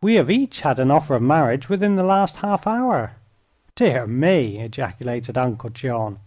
We have each had an offer of marriage within the last half hour!" "Dear me!" ejaculated Uncle John.